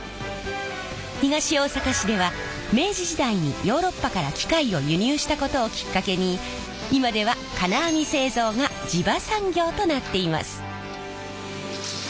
東大阪市では明治時代にヨーロッパから機械を輸入したことをきっかけに今では金網製造が地場産業となっています。